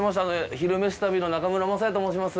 「昼めし旅」の中村昌也と申します。